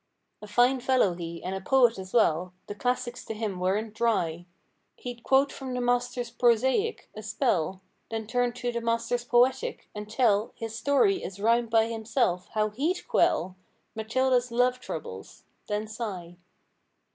A fine fellow, he, and a poet as well; The classics to him weren't dry. He'd quote from the masters prosaic—a spell— Then turn to the masters poetic—and tell His story as rhymed by himself. How he"d quell Matilda s love troubles—then sigh.